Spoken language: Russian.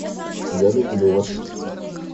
Я люблю Вас.